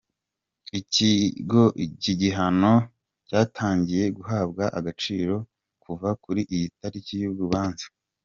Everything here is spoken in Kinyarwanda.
Iki gihano cyatangiye guhabwa agaciro kuva kuri iyo tariki y’urubanza.